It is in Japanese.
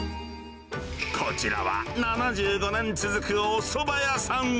こちらは７５年続くおそば屋さん。